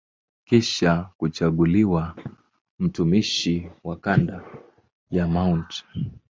Kisha kuchaguliwa mtumishi wa kanda ya Mt.